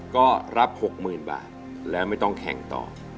ก็รับ๖๐๐๐บาทแล้วไม่ต้องแข่งต่อ